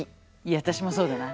私もそうだな。